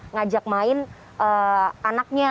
ngajak main anaknya